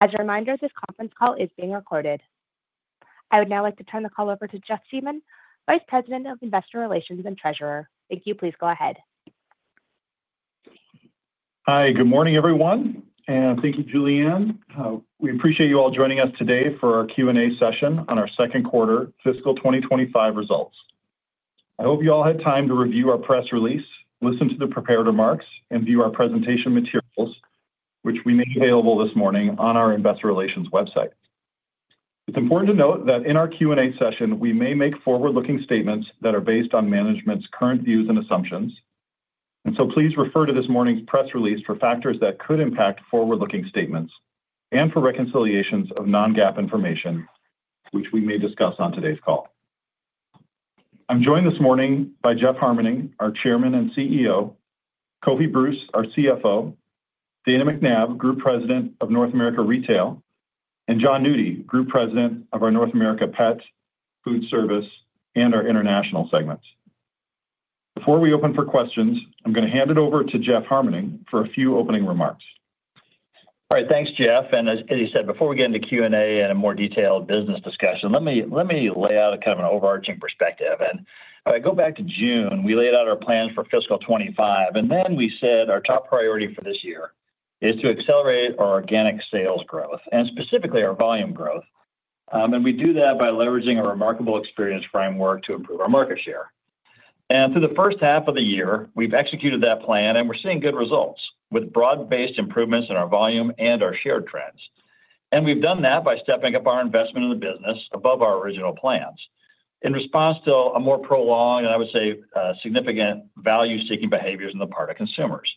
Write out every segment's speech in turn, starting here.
As a reminder, this conference call is being recorded. I would now like to turn the call over to Jeff Siemon, Vice President of Investor Relations and Treasurer. Thank you. Please go ahead. Hi. Good morning, everyone, and thank you, Julianne. We appreciate you all joining us today for our Q&A session on our second quarter fiscal 2025 results. I hope you all had time to review our press release, listen to the prepared remarks, and view our presentation materials, which we made available this morning on our Investor Relations website. It's important to note that in our Q&A session, we may make forward-looking statements that are based on management's current views and assumptions, and so please refer to this morning's press release for factors that could impact forward-looking statements and for reconciliations of non-GAAP information, which we may discuss on today's call. I'm joined this morning by Jeff Harmening, our Chairman and CEO, Kofi Bruce, our CFO, Dana McNabb, Group President of North America Retail, and Jon Nudi, Group President of our North America Pet, Food Service, and our International segments. Before we open for questions, I'm going to hand it over to Jeff Harmening for a few opening remarks. All right. Thanks, Jeff. And as he said, before we get into Q&A and a more detailed business discussion, let me lay out kind of an overarching perspective. And if I go back to June, we laid out our plans for fiscal 2025. And then we said our top priority for this year is to accelerate our organic sales growth and specifically our volume growth. And we do that by leveraging a Remarkable Experience Framework to improve our market share. And through the first half of the year, we've executed that plan, and we're seeing good results with broad-based improvements in our volume and our share trends. And we've done that by stepping up our investment in the business above our original plans in response to a more prolonged and, I would say, significant value-seeking behaviors on the part of consumers.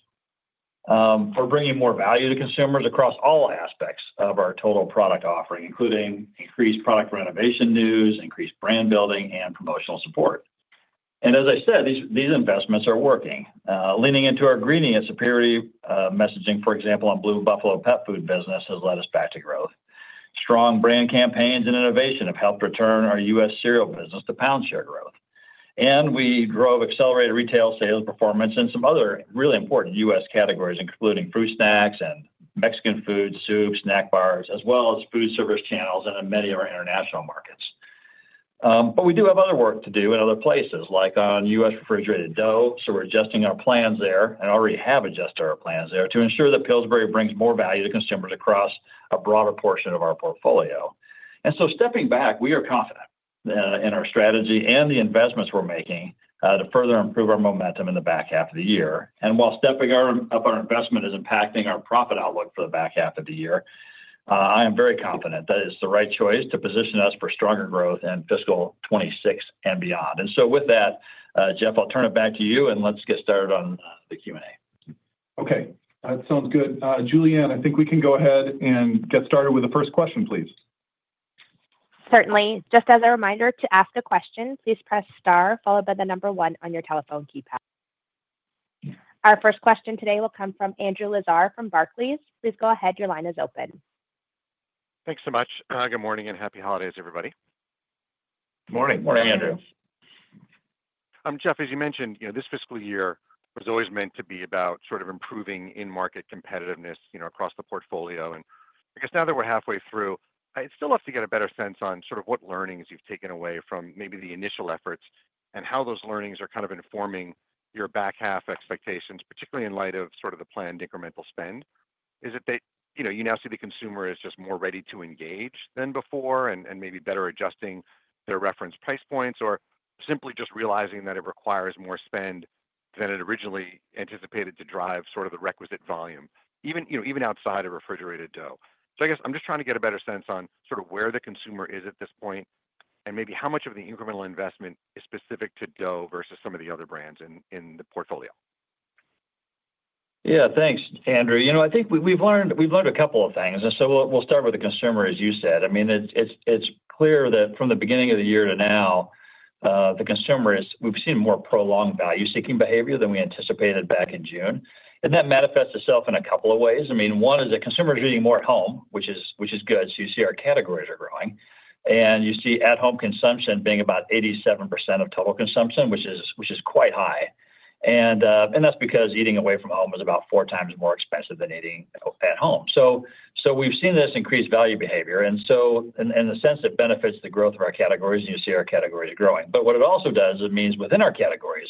We're bringing more value to consumers across all aspects of our total product offering, including increased product renovation news, increased brand building, and promotional support. As I said, these investments are working. Leaning into our grain-free and superiority messaging, for example, on Blue Buffalo pet food business has led us back to growth. Strong brand campaigns and innovation have helped return our U.S. cereal business to pound share growth. We drove accelerated retail sales performance in some other really important U.S. categories, including fruit snacks and Mexican food, soups, snack bars, as well as food service channels in many of our international markets. We do have other work to do in other places, like on U.S. refrigerated dough. We're adjusting our plans there and already have adjusted our plans there to ensure that Pillsbury brings more value to consumers across a broader portion of our portfolio. And so stepping back, we are confident in our strategy and the investments we're making to further improve our momentum in the back half of the year. And while stepping up our investment is impacting our profit outlook for the back half of the year, I am very confident that it's the right choice to position us for stronger growth in Fiscal 2026 and beyond. And so with that, Jeff, I'll turn it back to you, and let's get started on the Q&A. Okay. That sounds good. Julianne, I think we can go ahead and get started with the first question, please. Certainly. Just as a reminder to ask a question, please press star followed by the number one on your telephone keypad. Our first question today will come from Andrew Lazar from Barclays. Please go ahead. Your line is open. Thanks so much. Good morning and happy holidays, everybody. Morning. Morning, Andrew. Jeff. As you mentioned, this fiscal year was always meant to be about sort of improving in-market competitiveness across the portfolio. And I guess now that we're halfway through, I'd still love to get a better sense on sort of what learnings you've taken away from maybe the initial efforts and how those learnings are kind of informing your back half expectations, particularly in light of sort of the planned incremental spend. Is it that you now see the consumer as just more ready to engage than before and maybe better adjusting their reference price points or simply just realizing that it requires more spend than it originally anticipated to drive sort of the requisite volume, even outside of refrigerated dough? So I guess I'm just trying to get a better sense on sort of where the consumer is at this point and maybe how much of the incremental investment is specific to dough versus some of the other brands in the portfolio. Yeah. Thanks, Andrew. I think we've learned a couple of things. And so we'll start with the consumer, as you said. I mean, it's clear that from the beginning of the year to now, the consumer. We've seen more prolonged value-seeking behavior than we anticipated back in June. And that manifests itself in a couple of ways. I mean, one is that consumers are eating more at home, which is good. So you see our categories are growing. And you see at-home consumption being about 87% of total consumption, which is quite high. And that's because eating away from home is about four times more expensive than eating at home. So we've seen this increased value behavior. And so in a sense, it benefits the growth of our categories. And you see our categories growing. But what it also does is it means within our categories,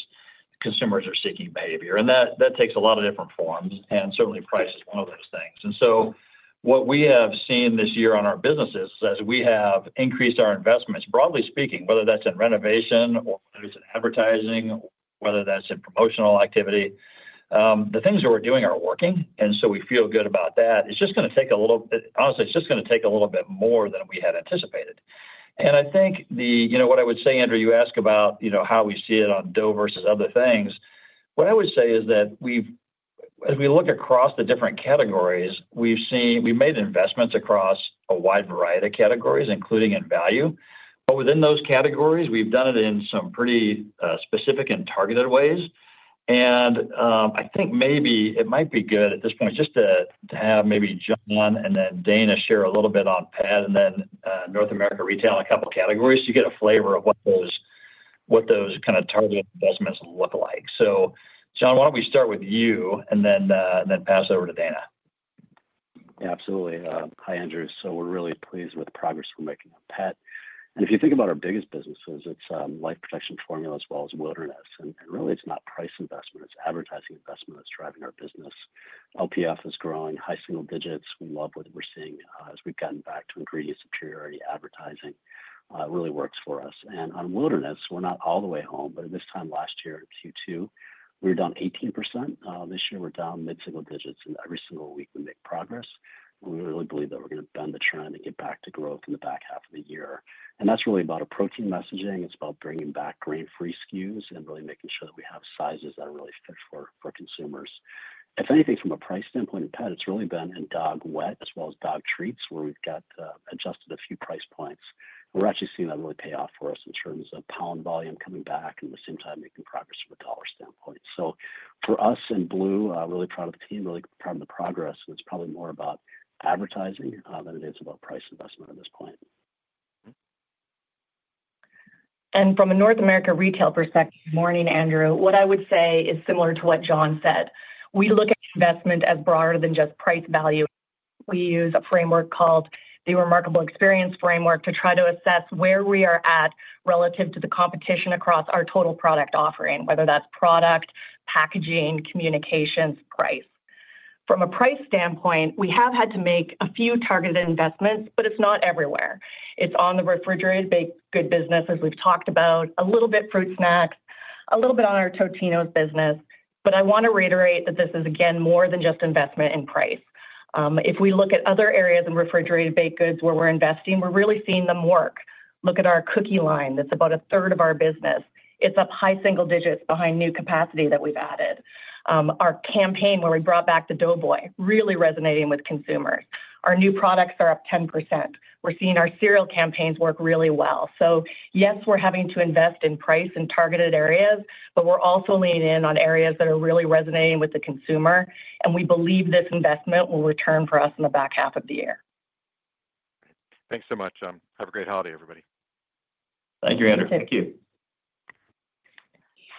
consumers are value-seeking behavior. And that takes a lot of different forms. And certainly, price is one of those things. And so what we have seen this year in our businesses is as we have increased our investments, broadly speaking, whether that's in innovation or whether it's in advertising, whether that's in promotional activity, the things that we're doing are working. And so we feel good about that. It's just going to take a little, honestly. It's just going to take a little bit more than we had anticipated. And I think what I would say, Andrew, you ask about how we see it on dough versus other things. What I would say is that as we look across the different categories, we've made investments across a wide variety of categories, including in value. But within those categories, we've done it in some pretty specific and targeted ways. And I think maybe it might be good at this point just to have maybe Jon and then Dana share a little bit on pet and then North America retail in a couple of categories to get a flavor of what those kind of targeted investments look like. So Jon, why don't we start with you and then pass it over to Dana? Absolutely. Hi, Andrew. So we're really pleased with the progress we're making on pet. And if you think about our biggest businesses, it's Life Protection Formula as well as Wilderness. And really, it's not price investment. It's advertising investment that's driving our business. LPF is growing, high single digits. We love what we're seeing as we've gotten back to ingredient superiority advertising. It really works for us. And on Wilderness, we're not all the way home. But at this time last year in Q2, we were down 18%. This year, we're down mid-single digits. And every single week, we make progress. And we really believe that we're going to bend the trend and get back to growth in the back half of the year. And that's really about approaching messaging. It's about bringing back grain-free SKUs and really making sure that we have sizes that are really fit for consumers. If anything, from a price standpoint in pet, it's really been in dog wet as well as dog treats where we've got adjusted a few price points. And we're actually seeing that really pay off for us in terms of pound volume coming back and at the same time making progress from a dollar standpoint. So for us in Blue, really proud of the team, really proud of the progress. And it's probably more about advertising than it is about price investment at this point. From a North America retail perspective, morning, Andrew. What I would say is similar to what Jon said. We look at investment as broader than just price value. We use a framework called the Remarkable Experience Framework to try to assess where we are at relative to the competition across our total product offering, whether that's product, packaging, communications, price. From a price standpoint, we have had to make a few targeted investments, but it's not everywhere. It's on the refrigerated baked goods business, as we've talked about, a little bit fruit snacks, a little bit on our Totino's business. But I want to reiterate that this is, again, more than just investment in price. If we look at other areas in refrigerated baked goods where we're investing, we're really seeing them work. Look at our cookie line. That's about a third of our business. It's up high single digits behind new capacity that we've added. Our campaign where we brought back the Doughboy really resonating with consumers. Our new products are up 10%. We're seeing our cereal campaigns work really well. So yes, we're having to invest in price and targeted areas, but we're also leaning in on areas that are really resonating with the consumer. And we believe this investment will return for us in the back half of the year. Thanks so much. Have a great holiday, everybody. Thank you, Andrew. Thank you.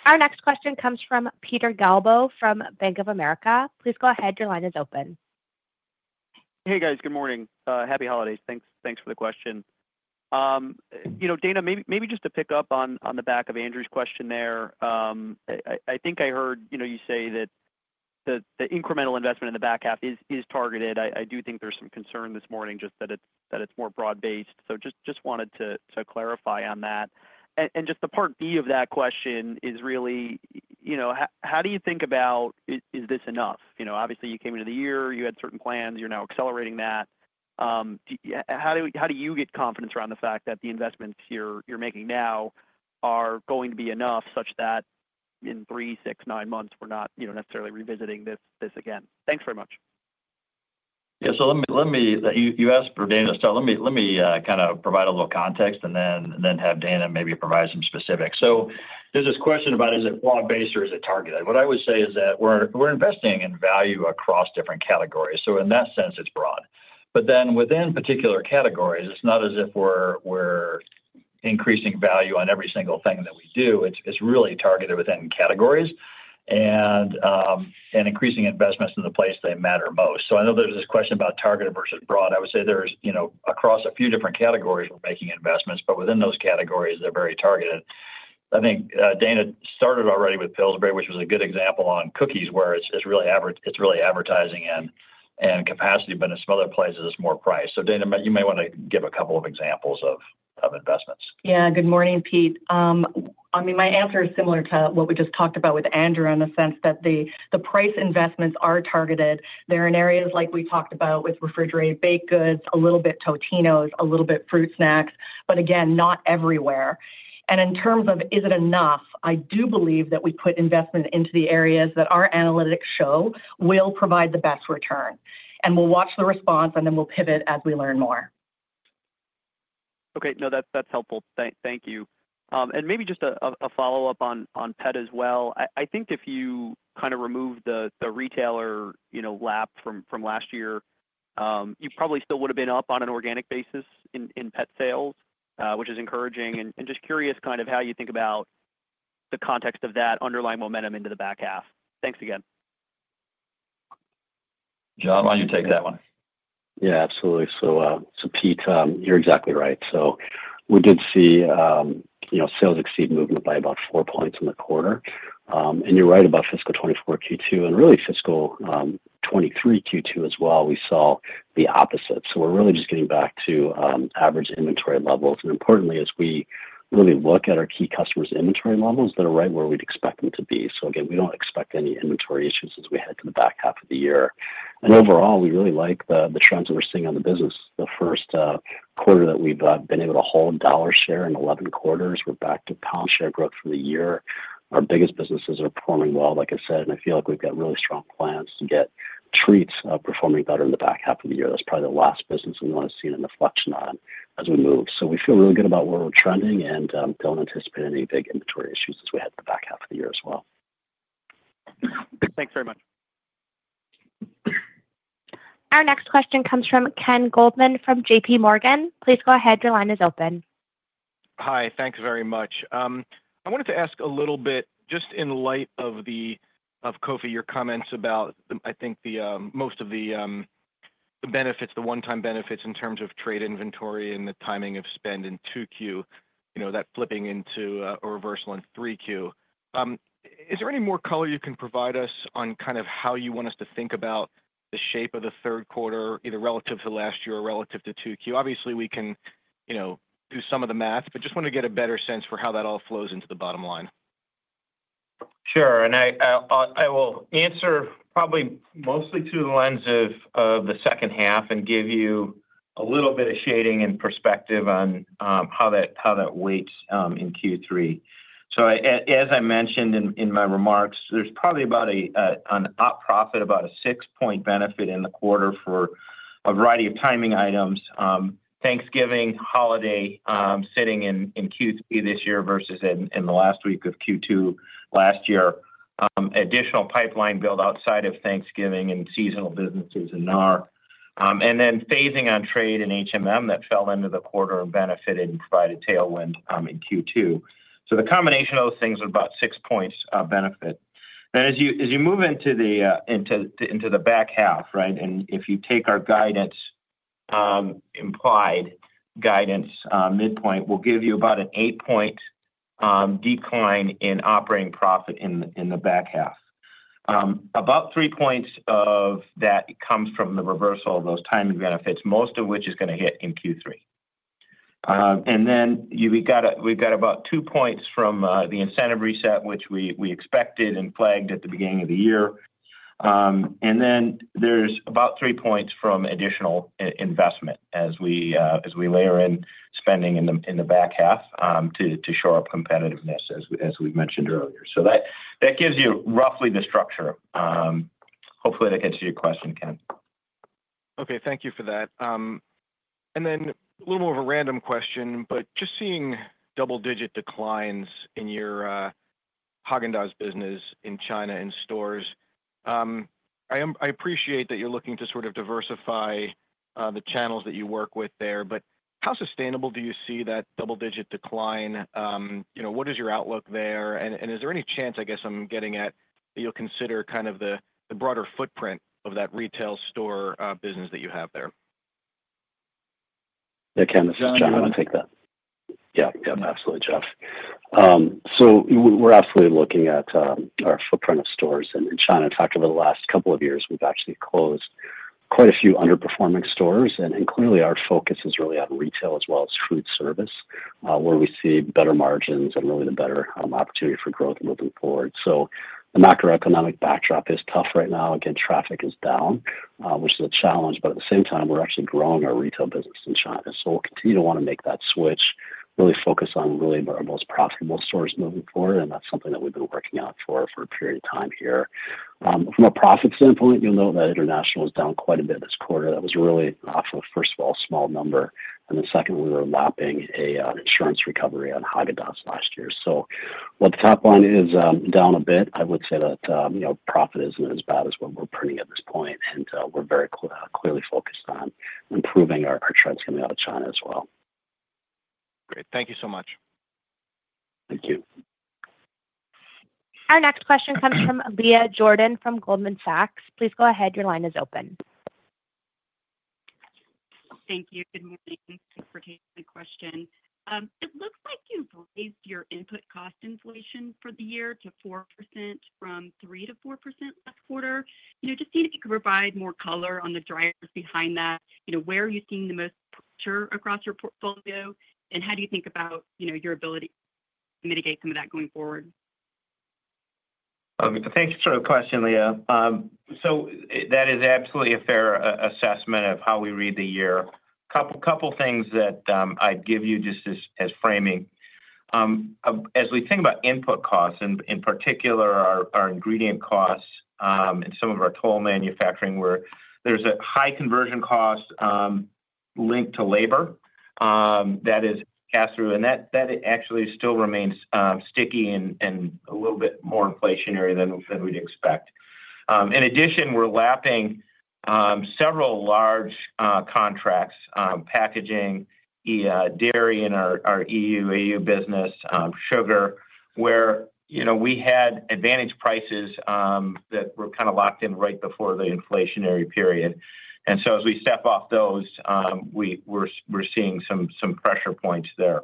Our next question comes from Peter Galbo from Bank of America. Please go ahead. Your line is open. Hey, guys. Good morning. Happy holidays. Thanks for the question. Dana, maybe just to pick up on the back of Andrew's question there, I think I heard you say that the incremental investment in the back half is targeted. I do think there's some concern this morning just that it's more broad-based. So just wanted to clarify on that. And just the part B of that question is really, how do you think about, is this enough? Obviously, you came into the year. You had certain plans. You're now accelerating that. How do you get confidence around the fact that the investments you're making now are going to be enough such that in three, six, nine months, we're not necessarily revisiting this again? Thanks very much. Yeah. So you asked for Dana's stuff. Let me kind of provide a little context and then have Dana maybe provide some specifics. So there's this question about, is it broad-based or is it targeted? What I would say is that we're investing in value across different categories. So in that sense, it's broad. But then within particular categories, it's not as if we're increasing value on every single thing that we do. It's really targeted within categories and increasing investments in the place they matter most. So I know there's this question about targeted versus broad. I would say there's across a few different categories, we're making investments. But within those categories, they're very targeted. I think Dana started already with Pillsbury, which was a good example on cookies where it's really advertising and capacity, but in some other places, it's more price. So Dana, you might want to give a couple of examples of investments. Yeah. Good morning, Pete. I mean, my answer is similar to what we just talked about with Andrew in the sense that the price investments are targeted. They're in areas like we talked about with refrigerated baked goods, a little bit Totino’s, a little bit fruit snacks, but again, not everywhere. And in terms of is it enough, I do believe that we put investment into the areas that our analytics show will provide the best return. And we'll watch the response, and then we'll pivot as we learn more. Okay. No, that's helpful. Thank you. And maybe just a follow-up on pet as well. I think if you kind of remove the retailer lap from last year, you probably still would have been up on an organic basis in pet sales, which is encouraging. And just curious kind of how you think about the context of that underlying momentum into the back half? Thanks again. Jon, why don't you take that one? Yeah. Absolutely. So Pete, you're exactly right. So we did see sales exceed movement by about four points in the quarter. And you're right about fiscal 2024 Q2 and really fiscal 2023 Q2 as well, we saw the opposite. So we're really just getting back to average inventory levels. And importantly, as we really look at our key customers' inventory levels, they're right where we'd expect them to be. So again, we don't expect any inventory issues as we head to the back half of the year. And overall, we really like the trends that we're seeing on the business. The first quarter that we've been able to hold dollar share in 11 quarters. We're back to pound share growth for the year. Our biggest businesses are performing well, like I said. And I feel like we've got really strong plans to get treats performing better in the back half of the year. That's probably the last business we want to see an inflection on as we move. So we feel really good about where we're trending and don't anticipate any big inventory issues as we head to the back half of the year as well. Thanks very much. Our next question comes from Ken Goldman from JPMorgan. Please go ahead. Your line is open. Hi. Thanks very much. I wanted to ask a little bit just in light of Kofi, your comments about, I think, most of the benefits, the one-time benefits in terms of trade inventory and the timing of spend in 2Q, that flipping into a reversal in 3Q. Is there any more color you can provide us on kind of how you want us to think about the shape of the third quarter, either relative to last year or relative to 2Q? Obviously, we can do some of the math, but just want to get a better sense for how that all flows into the bottom line. Sure. And I will answer probably mostly through the lens of the second half and give you a little bit of shading and perspective on how that weighs in Q3. So as I mentioned in my remarks, there's probably about an op profit, about a six-point benefit in the quarter for a variety of timing items. Thanksgiving, holiday sitting in Q3 this year versus in the last week of Q2 last year, additional pipeline build outside of Thanksgiving and seasonal businesses in NAR. And then phasing on trade in that fell into the quarter and benefited and provided tailwind in Q2. So the combination of those things are about six points benefit. And as you move into the back half, right, and if you take our guidance, implied guidance midpoint, we'll give you about an eight-point decline in operating profit in the back half. About three points of that comes from the reversal of those timing benefits, most of which is going to hit in Q3, and then we've got about two points from the incentive reset, which we expected and flagged at the beginning of the year, and then there's about three points from additional investment as we layer in spending in the back half to shore up competitiveness, as we've mentioned earlier, so that gives you roughly the structure. Hopefully, that answers your question, Ken. Okay. Thank you for that. And then a little more of a random question, but just seeing double-digit declines in your Häagen-Dazs business in China in stores. I appreciate that you're looking to sort of diversify the channels that you work with there. But how sustainable do you see that double-digit decline? What is your outlook there? And is there any chance, I guess I'm getting at, that you'll consider kind of the broader footprint of that retail store business that you have there? Yeah, Ken, this is Jon. I want to take that. Yeah. Yeah. Absolutely, Jeff. So we're absolutely looking at our footprint of stores. And Jon, I talked about the last couple of years. We've actually closed quite a few underperforming stores. And clearly, our focus is really on Retail as well as Food Service, where we see better margins and really the better opportunity for growth moving forward. The macroeconomic backdrop is tough right now. Again, traffic is down, which is a challenge. But at the same time, we're actually growing our Retail business in China. We'll continue to want to make that switch, really focus on really our most profitable stores moving forward. And that's something that we've been working on for a period of time here. From a profit standpoint, you'll note that International is down quite a bit this quarter. That was really off of, first of all, a small number, and then second, we were lapping an insurance recovery on Häagen-Dazs last year, so while the top line is down a bit, I would say that profit isn't as bad as what we're printing at this point, and we're very clearly focused on improving our trends coming out of China as well. Great. Thank you so much. Thank you. Our next question comes from Leah Jordan from Goldman Sachs. Please go ahead. Your line is open. Thank you. Good morning. Thanks for taking the question. It looks like you've raised your input cost inflation for the year to 4% from 3%-4% last quarter. Just seeing if you could provide more color on the drivers behind that. Where are you seeing the most pressure across your portfolio? And how do you think about your ability to mitigate some of that going forward? Thanks for the question, Leah. So that is absolutely a fair assessment of how we read the year. A couple of things that I'd give you just as framing. As we think about input costs, in particular, our ingredient costs and some of our toll manufacturing, there's a high conversion cost linked to labor that is passed through. And that actually still remains sticky and a little bit more inflationary than we'd expect. In addition, we're lapping several large contracts, packaging, dairy in our EU, AU business, sugar, where we had advantage prices that were kind of locked in right before the inflationary period. And so as we step off those, we're seeing some pressure points there.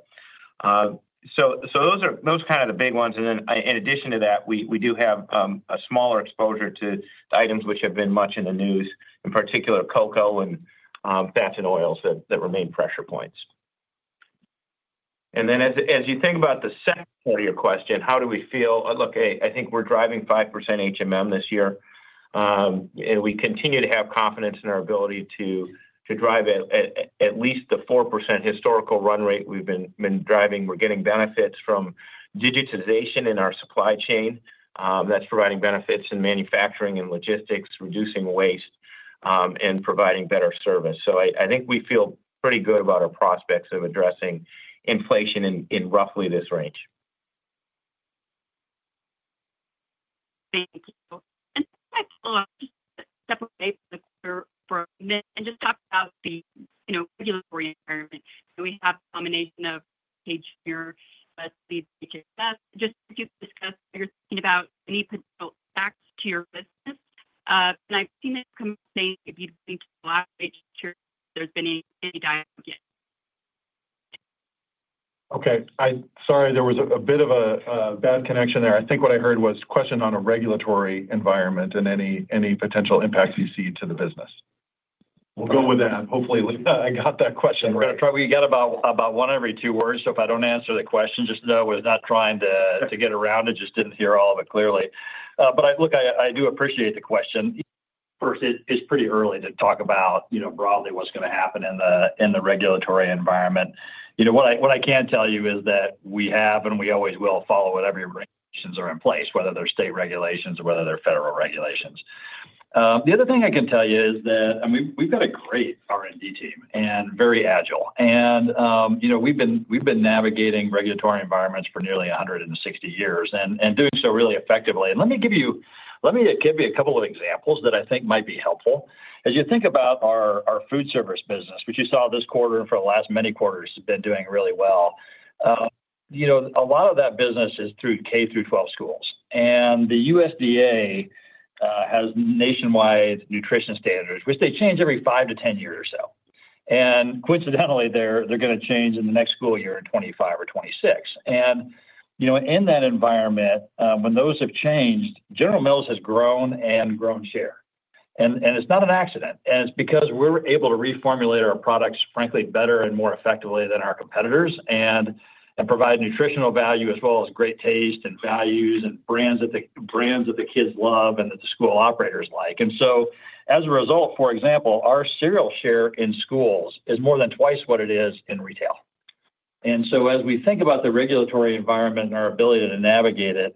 So those are kind of the big ones. And then in addition to that, we do have a smaller exposure to items which have been much in the news, in particular, cocoa and fats and oils that remain pressure points. And then as you think about the second part of your question, how do we feel? Look, I think we're driving 5% this year. And we continue to have confidence in our ability to drive at least the 4% historical run rate we've been driving. We're getting benefits from digitization in our supply chain that's providing benefits in manufacturing and logistics, reducing waste, and providing better service. So I think we feel pretty good about our prospects of addressing inflation in roughly this range. Thank you. And just to separate the quarter for a minute and just talk about the regulatory environment. We have a combination of page here, but the HHS just to discuss what you're thinking about any potential attacks to your business. And I've seen this come up today. If you'd like to go back, make sure there's been any dialogue yet. Okay. Sorry, there was a bit of a bad connection there. I think what I heard was a question on a regulatory environment and any potential impact you see to the business. We'll go with that. Hopefully, I got that question. We get about one every two words. So if I don't answer the question, just know I was not trying to get around it. Just didn't hear all of it clearly. But look, I do appreciate the question. First, it's pretty early to talk about broadly what's going to happen in the regulatory environment. What I can tell you is that we have, and we always will, follow whatever regulations are in place, whether they're state regulations or whether they're federal regulations. The other thing I can tell you is that we've got a great R&D team and very agile. We've been navigating regulatory environments for nearly 160 years and doing so really effectively. Let me give you a couple of examples that I think might be helpful. As you think about our food service business, which you saw this quarter and for the last many quarters has been doing really well, a lot of that business is through K-through-12 schools. The USDA has nationwide nutrition standards, which they change every 5-10 years or so. Coincidentally, they're going to change in the next school year in 2025 or 2026. In that environment, when those have changed, General Mills has grown and grown share. It's not an accident. And it's because we're able to reformulate our products, frankly, better and more effectively than our competitors and provide nutritional value as well as great taste and values and brands that the kids love and that the school operators like. And so as a result, for example, our cereal share in schools is more than twice what it is in retail. And so as we think about the regulatory environment and our ability to navigate it,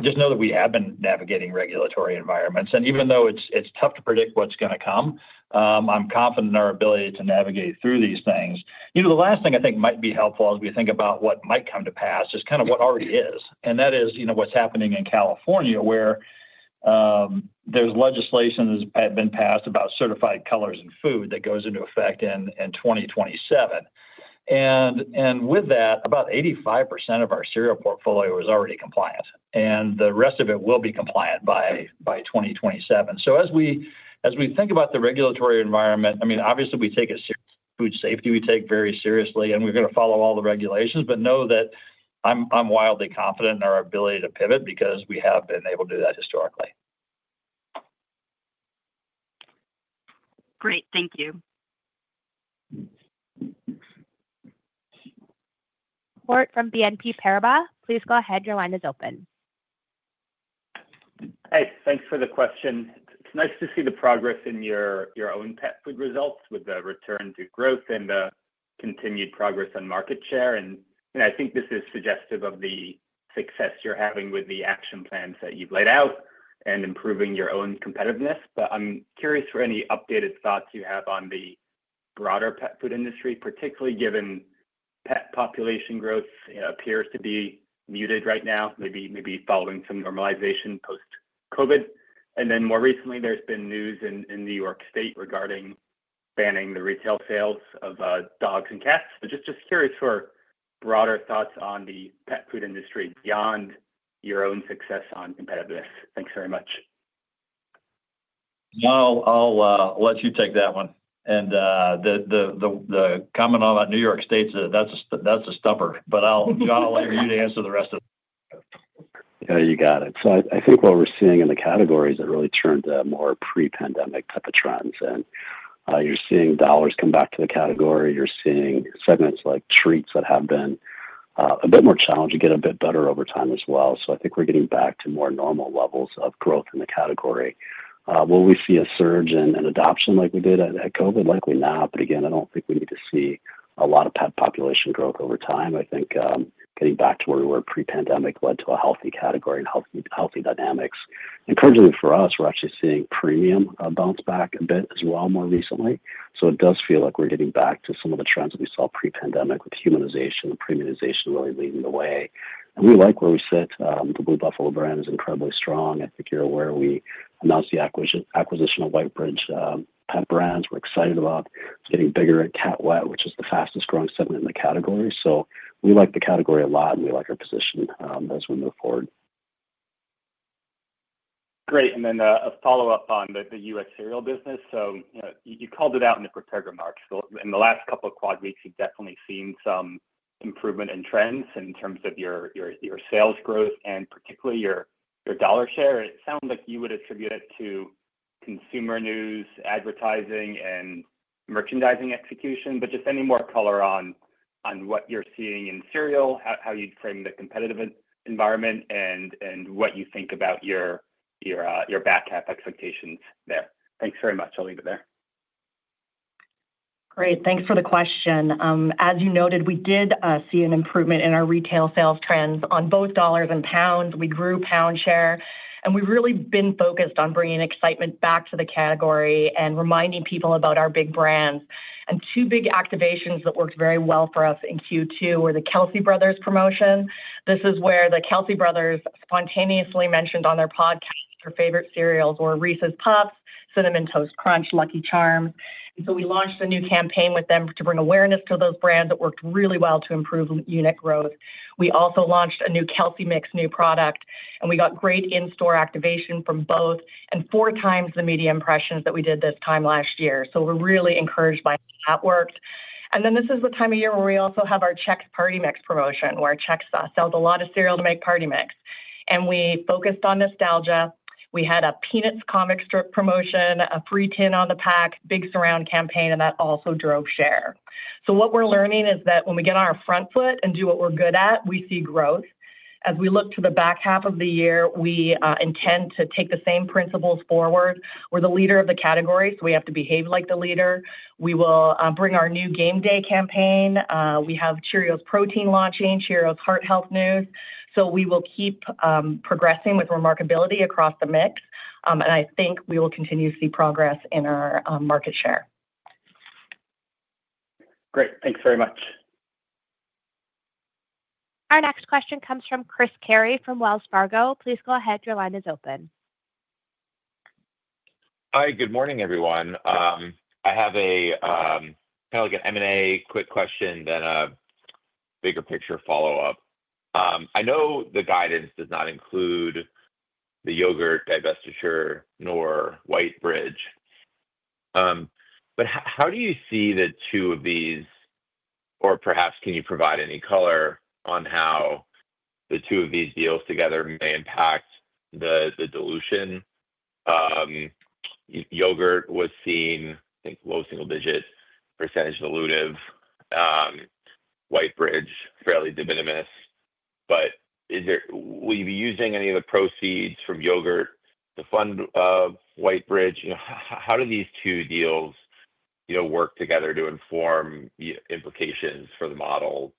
just know that we have been navigating regulatory environments. And even though it's tough to predict what's going to come, I'm confident in our ability to navigate through these things. The last thing I think might be helpful as we think about what might come to pass is kind of what already is. And that is what's happening in California, where there's legislation that's been passed about certified colors in food that goes into effect in 2027. And with that, about 85% of our cereal portfolio is already compliant. And the rest of it will be compliant by 2027. So as we think about the regulatory environment, I mean, obviously, we take food safety very seriously, and we're going to follow all the regulations, but know that I'm wildly confident in our ability to pivot because we have been able to do that historically. Great. Thank you. Max Gumport from BNP Paribas. Please go ahead. Your line is open. Hey, thanks for the question. It's nice to see the progress in your own pet food results with the return to growth and the continued progress on market share. And I think this is suggestive of the success you're having with the action plans that you've laid out and improving your own competitiveness. But I'm curious for any updated thoughts you have on the broader pet food industry, particularly given pet population growth appears to be muted right now, maybe following some normalization post-COVID. And then more recently, there's been news in New York State regarding banning the retail sales of dogs and cats. So just curious for broader thoughts on the pet food industry beyond your own success on competitiveness. Thanks very much. No, I'll let you take that one. And the comment on about New York State, that's a stumper. But I'll let you answer the rest of it. Yeah, you got it. So I think what we're seeing in the categories that really turned to more pre-pandemic type of trends, and you're seeing dollars come back to the category. You're seeing segments like treats that have been a bit more challenged to get a bit better over time as well, so I think we're getting back to more normal levels of growth in the category. Will we see a surge in adoption like we did at COVID? Likely not, but again, I don't think we need to see a lot of pet population growth over time. I think getting back to where we were pre-pandemic led to a healthy category and healthy dynamics. Encouragingly for us, we're actually seeing premium bounce back a bit as well more recently. So it does feel like we're getting back to some of the trends that we saw pre-pandemic with humanization and premiumization really leading the way. And we like where we sit. The Blue Buffalo brand is incredibly strong. I think you're aware. We announced the acquisition of Whitebridge Pet Brands. We're excited about getting bigger at Cat Wet, which is the fastest-growing segment in the category. So we like the category a lot, and we like our position as we move forward. Great. And then a follow-up on the U.S. cereal business. So you called it out in the prepared remarks. In the last couple of quad weeks, you've definitely seen some improvement in trends in terms of your sales growth and particularly your dollar share. It sounds like you would attribute it to consumer news, advertising, and merchandising execution. But just any more color on what you're seeing in cereal, how you'd frame the competitive environment, and what you think about your back-half expectations there. Thanks very much. I'll leave it there. Great. Thanks for the question. As you noted, we did see an improvement in our retail sales trends on both dollars and pounds. We grew pound share, and we've really been focused on bringing excitement back to the category and reminding people about our big brands, and two big activations that worked very well for us in Q2 were the Kelce Brothers promotion. This is where the Kelce Brothers spontaneously mentioned on their podcast their favorite cereals were Reese's Puffs, Cinnamon Toast Crunch, Lucky Charms, and so we launched a new campaign with them to bring awareness to those brands that worked really well to improve unit growth. We also launched a new Kelce Mix new product, and we got great in-store activation from both and four times the media impressions that we did this time last year, so we're really encouraged by how that worked. And then this is the time of year where we also have our Chex Party Mix promotion, where Chex sells a lot of cereal to make Party Mix. And we focused on nostalgia. We had a Peanuts Comic Strip promotion, a free tin on the pack, big surround campaign, and that also drove share. So what we're learning is that when we get on our front foot and do what we're good at, we see growth. As we look to the back half of the year, we intend to take the same principles forward. We're the leader of the category, so we have to behave like the leader. We will bring our new game day campaign. We have Cheerios Protein launching, Cheerios heart health news. So we will keep progressing with remarkability across the mix. And I think we will continue to see progress in our market share. Great. Thanks very much. Our next question comes from Chris Carey from Wells Fargo. Please go ahead. Your line is open. Hi, good morning, everyone. I have kind of like an M&A quick question, then a bigger picture follow-up. I know the guidance does not include the yogurt divestiture nor White Bridge. But how do you see the two of these, or perhaps can you provide any color on how the two of these deals together may impact the dilution? Yogurt was seen, I think, low single-digit % dilutive. White Bridge, fairly de minimis. But will you be using any of the proceeds from yogurt to fund White Bridge? How do these two deals work together to inform implications for the model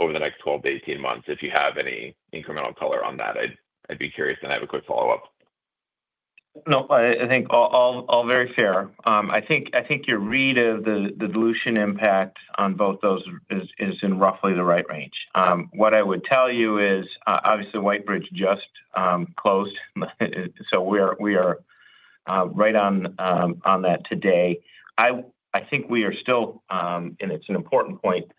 over the next 12-18 months? If you have any incremental color on that, I'd be curious, and have a quick follow-up. No, I think all very fair. I think your read of the dilution impact on both those is in roughly the right range. What I would tell you is, obviously, White Bridge just closed. So we are right on that today. I think we are still, and it's an important point,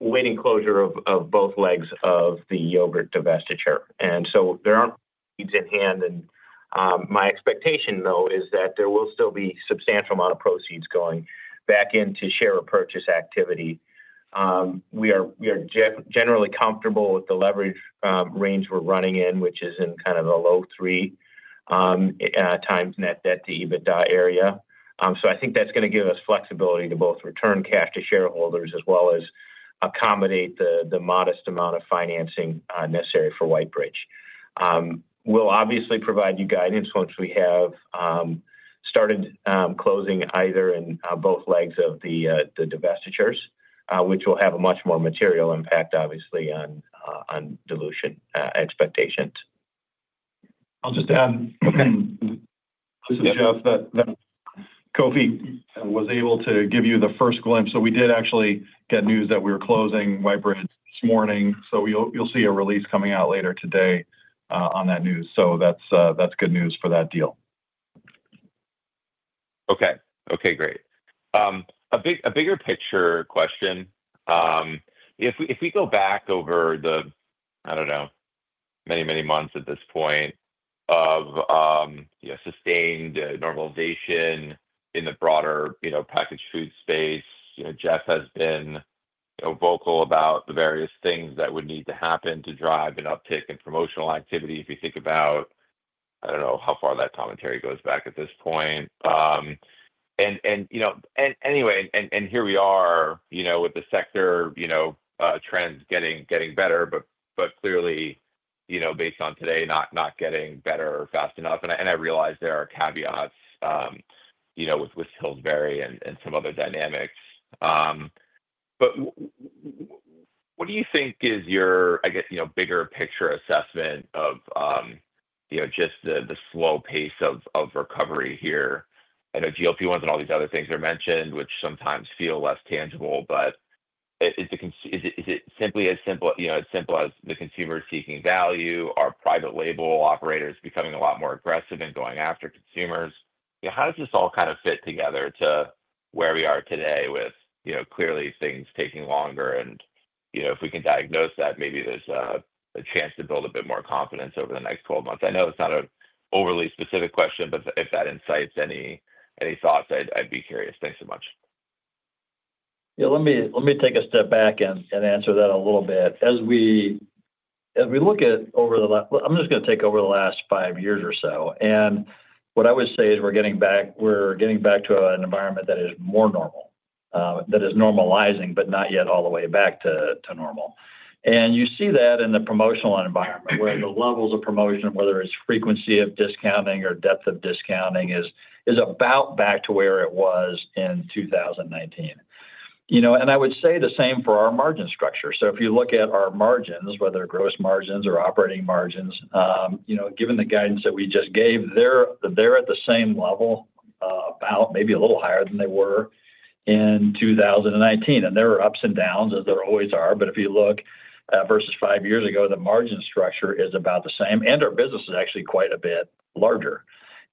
waiting closure of both legs of the yogurt divestiture. And so there aren't proceeds in hand. And my expectation, though, is that there will still be a substantial amount of proceeds going back into share repurchase activity. We are generally comfortable with the leverage range we're running in, which is in kind of a low three times net debt to EBITDA area. So I think that's going to give us flexibility to both return cash to shareholders as well as accommodate the modest amount of financing necessary for White Bridge. We'll obviously provide you guidance once we have started closing either in both legs of the divestitures, which will have a much more material impact, obviously, on dilution expectations. I'll just add, Jeff, that Kofi was able to give you the first glimpse, so we did actually get news that we were closing White Bridge this morning, so you'll see a release coming out later today on that news, so that's good news for that deal. Okay. Okay, great. A bigger picture question. If we go back over the, I don't know, many, many months at this point of sustained normalization in the broader packaged food space, Jeff has been vocal about the various things that would need to happen to drive an uptick in promotional activity if you think about, I don't know, how far that commentary goes back at this point. And anyway, and here we are with the sector trends getting better, but clearly, based on today, not getting better fast enough. And I realize there are caveats with Pillsbury and some other dynamics. But what do you think is your, I guess, bigger picture assessment of just the slow pace of recovery here? I know GLP-1s and all these other things are mentioned, which sometimes feel less tangible, but is it simply as simple as the consumer seeking value, our private label operators becoming a lot more aggressive and going after consumers? How does this all kind of fit together to where we are today with clearly things taking longer? And if we can diagnose that, maybe there's a chance to build a bit more confidence over the next 12 months. I know it's not an overly specific question, but if that incites any thoughts, I'd be curious. Thanks so much. Yeah, let me take a step back and answer that a little bit. As we look at over the last, I'm just going to take over the last five years or so. And what I would say is we're getting back to an environment that is more normal, that is normalizing, but not yet all the way back to normal. And you see that in the promotional environment, where the levels of promotion, whether it's frequency of discounting or depth of discounting, is about back to where it was in 2019. And I would say the same for our margin structure. So if you look at our margins, whether gross margins or operating margins, given the guidance that we just gave, they're at the same level, about maybe a little higher than they were in 2019. And there are ups and downs, as there always are. But if you look versus five years ago, the margin structure is about the same. And our business is actually quite a bit larger.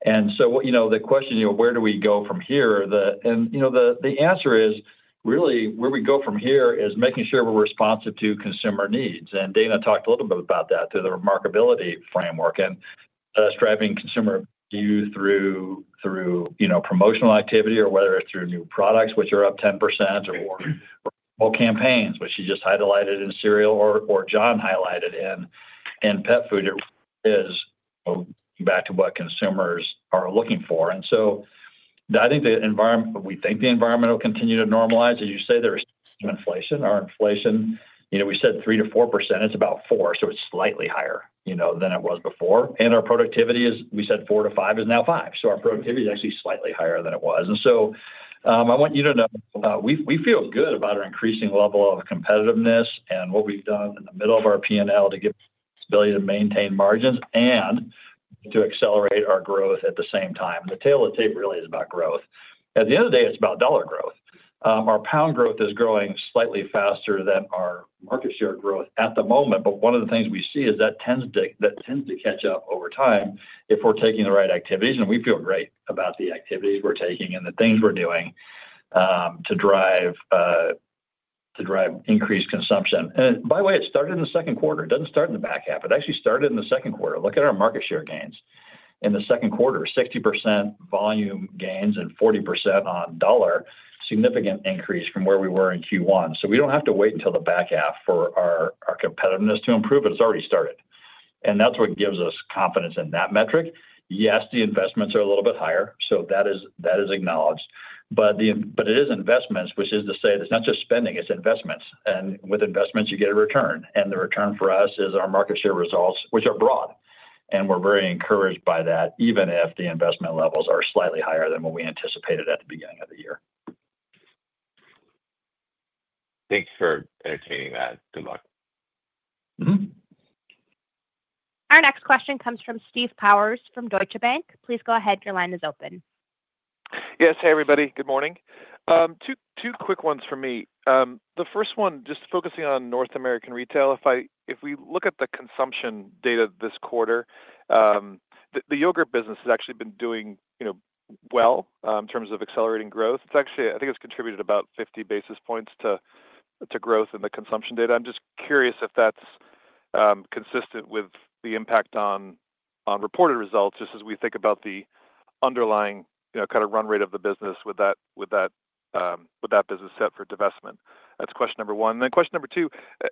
And so the question, where do we go from here? And the answer is, really, where we go from here is making sure we're responsive to consumer needs. And Dana talked a little bit about that through the Remarkable framework and driving consumer view through promotional activity, or whether it's through new products, which are up 10%, or campaigns, which you just highlighted in cereal, or Jon highlighted in pet food, is back to what consumers are looking for. And so I think the environment, we think the environment will continue to normalize. As you say, there is some inflation. Our inflation, we said 3%-4%. It's about 4%, so it's slightly higher than it was before. And our productivity is. We said 4-5 is now 5. So our productivity is actually slightly higher than it was. And so I want you to know we feel good about our increasing level of competitiveness and what we've done in the middle of our P&L to give us the ability to maintain margins and to accelerate our growth at the same time. The tail of the tape really is about growth. At the end of the day, it's about dollar growth. Our pound growth is growing slightly faster than our market share growth at the moment. But one of the things we see is that tends to catch up over time if we're taking the right activities. And we feel great about the activities we're taking and the things we're doing to drive increased consumption. And by the way, it started in the second quarter. It doesn't start in the back half. It actually started in the second quarter. Look at our market share gains in the second quarter, 60% volume gains and 40% on dollar, significant increase from where we were in Q1. So we don't have to wait until the back half for our competitiveness to improve, but it's already started. And that's what gives us confidence in that metric. Yes, the investments are a little bit higher, so that is acknowledged. But it is investments, which is to say it's not just spending, it's investments. And with investments, you get a return. And the return for us is our market share results, which are broad. And we're very encouraged by that, even if the investment levels are slightly higher than what we anticipated at the beginning of the year. Thanks for entertaining that. Good luck. Our next question comes from Steve Powers from Deutsche Bank. Please go ahead. Your line is open. Yes. Hey, everybody. Good morning. Two quick ones for me. The first one, just focusing on North American retail. If we look at the consumption data this quarter, the yogurt business has actually been doing well in terms of accelerating growth. I think it's contributed about 50 basis points to growth in the consumption data. I'm just curious if that's consistent with the impact on reported results, just as we think about the underlying kind of run rate of the business with that business set for divestment. That's question number one. And then question number two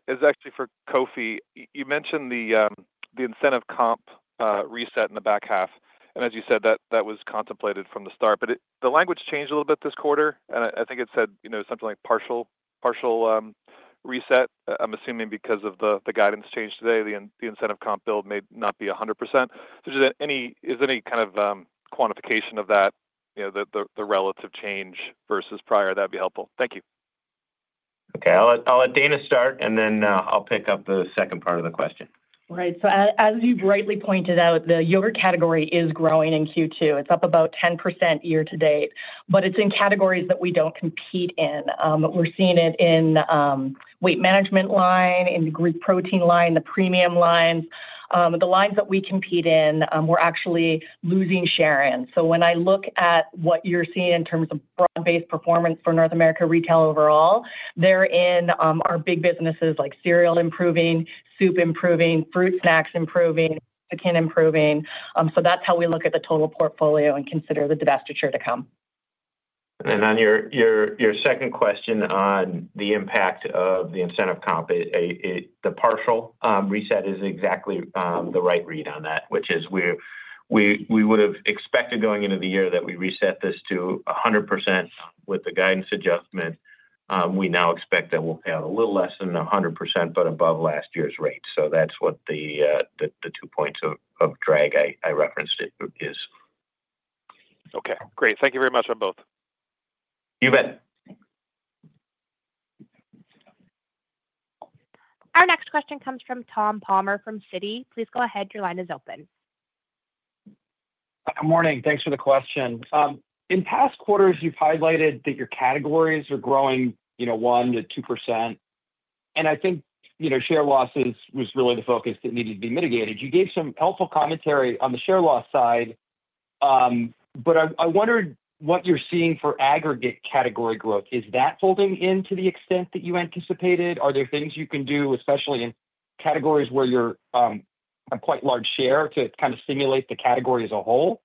is actually for Kofi. You mentioned the incentive comp reset in the back half. And as you said, that was contemplated from the start. But the language changed a little bit this quarter. And I think it said something like partial reset. I'm assuming because of the guidance change today. The incentive comp build may not be 100%. So is there any kind of quantification of that, the relative change versus prior? That'd be helpful. Thank you. Okay. I'll let Dana start, and then I'll pick up the second part of the question. Right. So as you've rightly pointed out, the yogurt category is growing in Q2. It's up about 10% year to date. But it's in categories that we don't compete in. We're seeing it in the weight management line, in the Greek protein line, the premium lines. The lines that we compete in, we're actually losing share in. So when I look at what you're seeing in terms of broad-based performance for North America retail overall, there in our big businesses like cereal improving, soup improving, fruit snacks improving, chicken improving. So that's how we look at the total portfolio and consider the divestiture to come. And then on your second question on the impact of the incentive comp, the partial reset is exactly the right read on that, which is we would have expected going into the year that we reset this to 100%. With the guidance adjustment, we now expect that we'll pay out a little less than 100%, but above last year's rate. So that's what the two points of drag I referenced is. Okay. Great. Thank you very much on both. You bet. Our next question comes from Tom Palmer from Citi. Please go ahead. Your line is open. Good morning. Thanks for the question. In past quarters, you've highlighted that your categories are growing 1%-2%, and I think share losses was really the focus that needed to be mitigated. You gave some helpful commentary on the share loss side. But I wondered what you're seeing for aggregate category growth. Is that holding in to the extent that you anticipated? Are there things you can do, especially in categories where you're a quite large share, to kind of stimulate the category as a whole?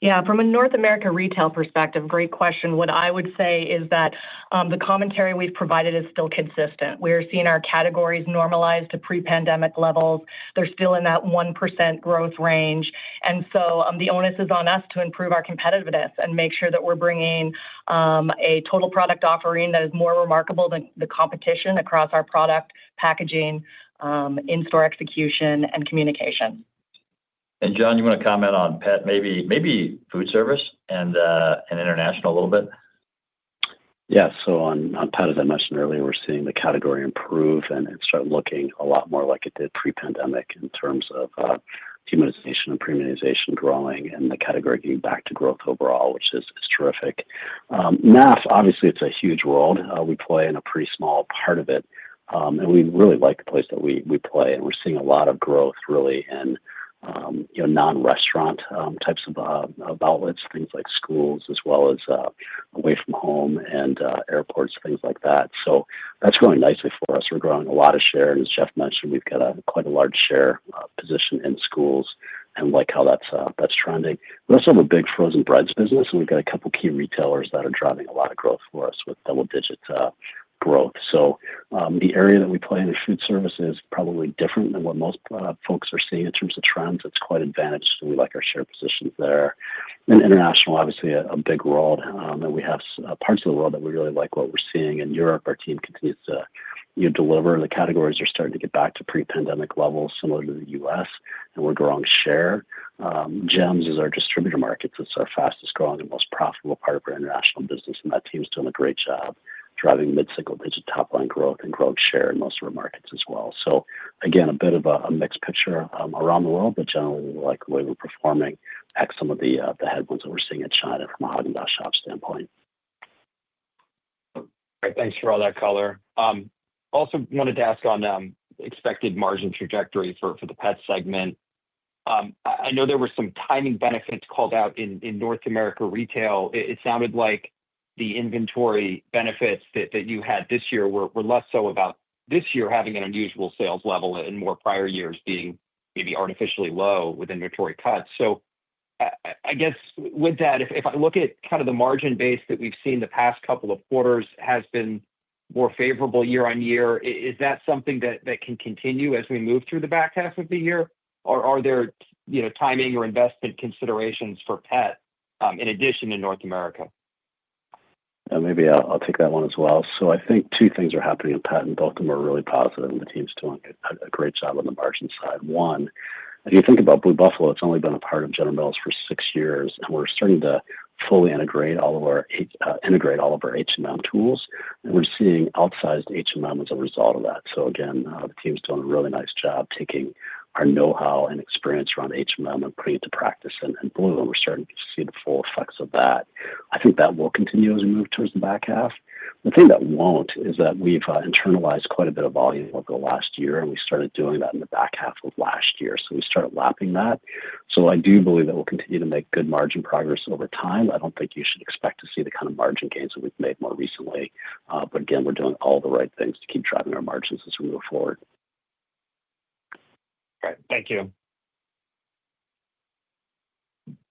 Yeah. From a North America Retail perspective, great question. What I would say is that the commentary we've provided is still consistent. We are seeing our categories normalize to pre-pandemic levels. They're still in that 1% growth range. And so the onus is on us to improve our competitiveness and make sure that we're bringing a total product offering that is more remarkable than the competition across our product packaging, in-store execution, and communication. Jon, you want to comment on PET, maybe food service and international a little bit? Yeah. So on PET, as I mentioned earlier, we're seeing the category improve and start looking a lot more like it did pre-pandemic in terms of humanization and premiumization growing and the category getting back to growth overall, which is terrific. Mass, obviously, it's a huge world. We play in a pretty small part of it. And we're seeing a lot of growth, really, in non-restaurant types of outlets, things like schools, as well as away from home and airports, things like that. So that's growing nicely for us. We're growing a lot of share. And as Jeff mentioned, we've got quite a large share position in schools and like how that's trending. We also have a big frozen breads business, and we've got a couple of key retailers that are driving a lot of growth for us with double-digit growth. So the area that we play in the food service is probably different than what most folks are seeing in terms of trends. It's quite advantaged, and we like our share positions there. And international, obviously, a big world. And we have parts of the world that we really like what we're seeing. In Europe, our team continues to deliver. The categories are starting to get back to pre-pandemic levels, similar to the U.S., and we're growing share. GEMs is our distributor markets. It's our fastest growing and most profitable part of our international business. And that team's doing a great job driving mid-single-digit top-line growth and growing share in most of our markets as well. So again, a bit of a mixed picture around the world, but generally, we like the way we're performing against some of the headwinds that we're seeing in China from a Häagen-Dazs shop standpoint. Thanks for all that, Kofi. Also wanted to ask on expected margin trajectory for the PET segment. I know there were some timing benefits called out in North America Retail. It sounded like the inventory benefits that you had this year were less so about this year having an unusual sales level and more prior years being maybe artificially low with inventory cuts. So I guess with that, if I look at kind of the margin base that we've seen the past couple of quarters has been more favorable year on year, is that something that can continue as we move through the back half of the year? Or are there timing or investment considerations for PET in addition in North America? Maybe I'll take that one as well. So I think two things are happening in PET, and both of them are really positive. And the team's doing a great job on the margin side. One, if you think about Blue Buffalo, it's only been a part of General Mills for six years. And we're starting to fully integrate all of our tools. And we're seeing outsized as a result of that. So again, the team's doing a really nice job taking our know-how and experience around and putting it to practice in Blue. And we're starting to see the full effects of that. I think that will continue as we move towards the back half. The thing that won't is that we've internalized quite a bit of volume over the last year. And we started doing that in the back half of last year. So we started lapping that. So I do believe that we'll continue to make good margin progress over time. I don't think you should expect to see the kind of margin gains that we've made more recently. But again, we're doing all the right things to keep driving our margins as we move forward. All right. Thank you.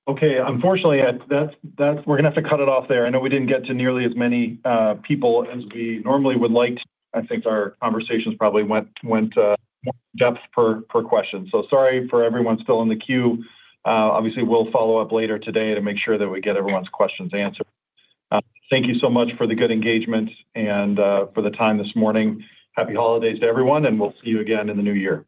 Okay. Unfortunately, we're going to have to cut it off there. I know we didn't get to nearly as many people as we normally would like. I think our conversations probably went more in depth per question. So sorry for everyone still in the queue. Obviously, we'll follow up later today to make sure that we get everyone's questions answered. Thank you so much for the good engagement and for the time this morning. Happy holidays to everyone. And we'll see you again in the new year.